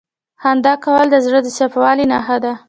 • خندا کول د زړه د صفا والي نښه ده.